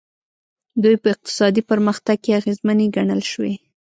دوی په اقتصادي پرمختګ کې اغېزمنې ګڼل شوي.